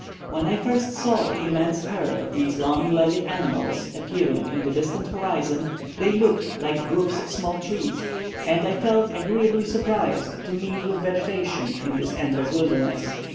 When I first saw the immense herd of these long legged animals appearing in the distant horizon, they looked like groups of small trees; and I felt agreeably surprised to meet with vegetation in this endless wilderness.